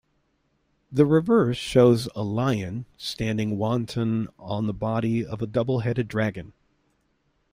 The reverse shows a lion standing wanton on the body of a double-headed dragon.